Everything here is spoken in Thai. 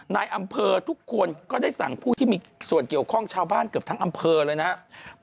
นายอำเภอทุกคนก็ได้สั่งผู้ที่มีส่วนเกี่ยวข้องชาวบ้านเกือบทั้งอำเภอเลยนะครับ